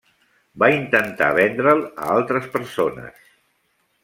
Va intentar vendre'l a altres persones.